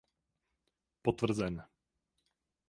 Potvrzen.